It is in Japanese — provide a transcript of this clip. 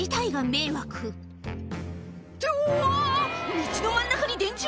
道の真ん中に電柱？